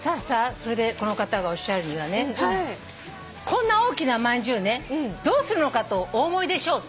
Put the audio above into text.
それでこの方がおっしゃるにはねこんな大きな饅頭ねどうするのかとお思いでしょうって。